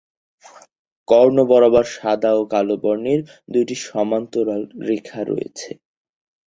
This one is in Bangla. কর্ণ বরাবর সাদা ও কালো বর্ণের দুইটি সমান্তরাল রেখা রয়েছে।